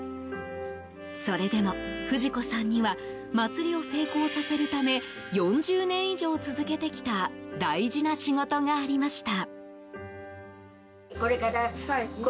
それでも、不二子さんには祭りを成功させるため４０年以上続けてきた大事な仕事がありました。